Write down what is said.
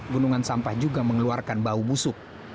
gunungan sampah juga mengeluarkan bau busuk